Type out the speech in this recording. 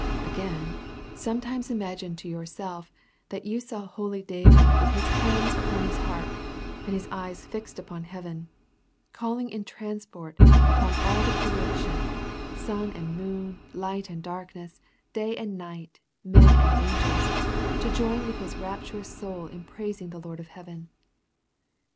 Agaiuj Sometimes imagine to yourself that you saw holy David with his hands upon his harp, and his eyes fixed upon heaven, calling with transport on the crea tion, sun and moon, light and darkness ; day and night, men and angels, to join with his rapturous soul in praising the Lord of heaven.